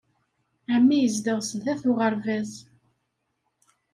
Ɛemmi yezdeɣ sdat uɣerbaz.